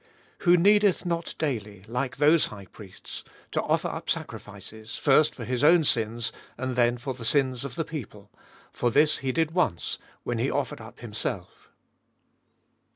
Who needeth not daily like those high priests, to offer up sacrifices, first for His own sins, and then for the sins of the people ; for this He did once, when He offered up 256 abe Iboliest of BU Himself.